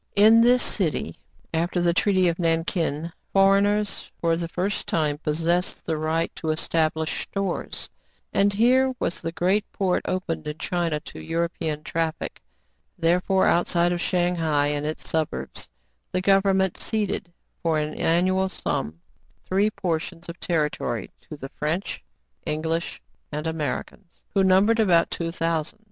In this city, after the treaty of Nankin, for eigners for the first time possessed the right to establish stores, and here was the great port opened in China to European traffic : therefore, outside of Shang hai and its suburbs, the govern ment ceded, for an annual sum, three portions of territory to the French, English, and Americans, who number about two thousand.